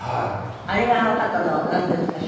あれがあの方のなんていうんですか。